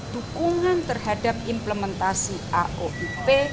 dukungan terhadap implementasi aoup